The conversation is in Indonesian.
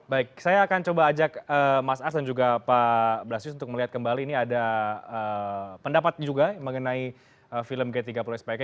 baik saya akan coba ajak mas ars dan juga pak blasius untuk melihat kembali ini ada pendapat juga mengenai film g tiga puluh spk